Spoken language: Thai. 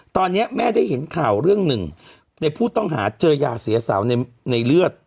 ตอนนี้แม่ได้เห็นข่าวเรื่องหนึ่งในผู้ต้องหาเจอยาเสียสาวในเลือด